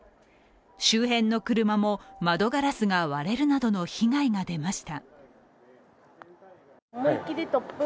周辺の車も窓ガラスが割れるなどの被害が出ました。